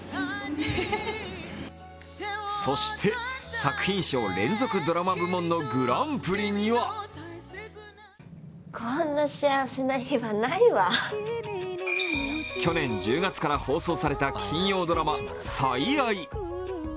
そして作品賞連続ドラマ部門のグランプリには去年１０月から放送された金曜ドラマ「最愛」。